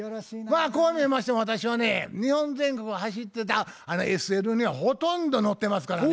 こう見えましても私はね日本全国走ってたＳＬにはほとんど乗ってますからね。